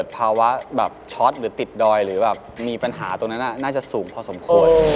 ภาวะแบบช็อตหรือติดดอยหรือแบบมีปัญหาตรงนั้นน่าจะสูงพอสมควร